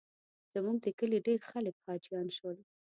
زموږ د کلي ډېر خلک حاجیان شول.